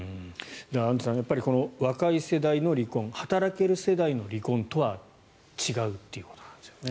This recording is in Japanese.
アンジュさん若い世代の離婚働ける世代の離婚とは違うっていうことなんですよね。